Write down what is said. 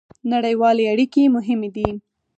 نړیوالې اړیکې مهمې دي